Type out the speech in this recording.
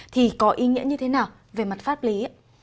thì có ý nghĩa như thế nào về mặt pháp lý